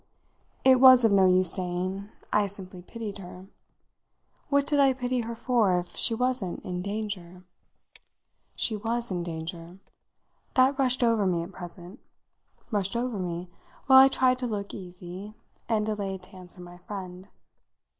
It was of no use saying I simply pitied her: what did I pity her for if she wasn't in danger? She was in danger: that rushed over me at present rushed over me while I tried to look easy and delayed to answer my friend.